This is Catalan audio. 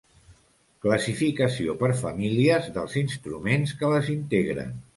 Classificació per famílies dels instruments que les integren.